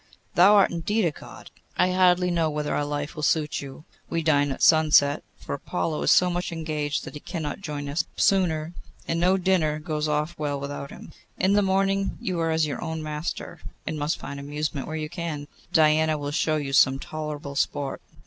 Thou art, indeed, a God!' 'I hardly know whether our life will suit you. We dine at sunset; for Apollo is so much engaged that he cannot join us sooner, and no dinner goes off well without him. In the morning you are your own master, and must find amusement where you can. Diana will show you some tolerable sport.